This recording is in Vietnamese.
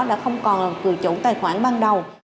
đã không còn là người chủ tài khoản ban đầu